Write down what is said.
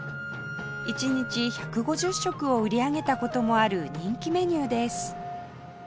一日１５０食を売り上げた事もある人気メニューです